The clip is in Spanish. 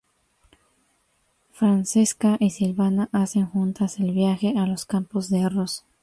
Francesca y Silvana hacen juntas el viaje a los campos de arroz.